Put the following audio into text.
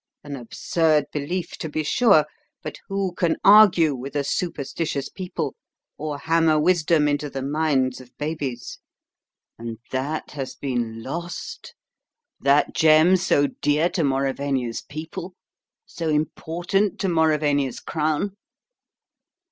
An absurd belief, to be sure, but who can argue with a superstitious people or hammer wisdom into the minds of babies? And that has been lost that gem so dear to Mauravania's people, so important to Mauravania's crown?"